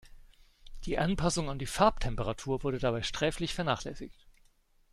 Die Anpassung an die Farbtemperatur wurde dabei sträflich vernachlässigt.